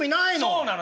そうなの。